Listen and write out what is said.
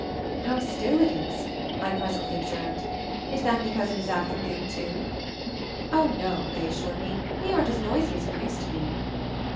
"How still it is!" I presently observed. "Is that because it is afternoon, too?" "Oh, no," they assured me. "We aren't as noisy as we used to be."